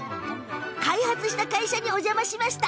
開発した会社にお邪魔しました。